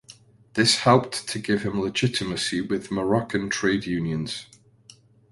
This helped to give him legitimacy within Moroccan trade unions.